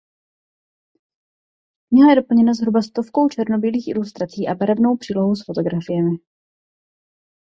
Kniha je doplněna zhruba stovkou černobílých ilustrací a barevnou přílohou s fotografiemi.